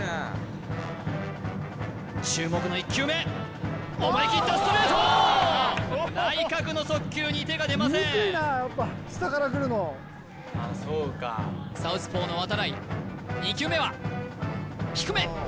注目の１球目思いきったストレート内角の速球に手が出ませんサウスポーの渡会２球目は低め！